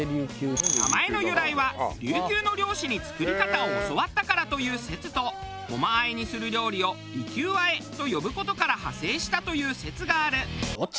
名前の由来は琉球の漁師に作り方を教わったからという説とゴマ和えにする料理を「利休和え」と呼ぶ事から派生したという説がある。